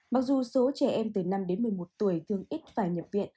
mặc dù số trẻ em từ năm đến một mươi một tuổi thường ít phải nhập viện